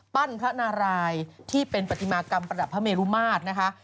พระนารายที่เป็นปฏิมากรรมประดับพระเมรุมาตรนะคะ